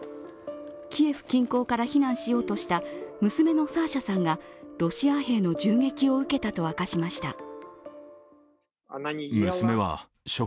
キエフ近郊から避難しようとした娘のサーシャさんがロシア兵の銃撃を受けたと明かしました。